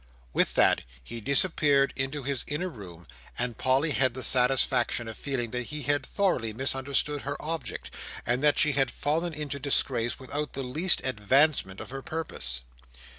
With that, he disappeared into his inner room; and Polly had the satisfaction of feeling that he had thoroughly misunderstood her object, and that she had fallen into disgrace without the least advancement of her purpose.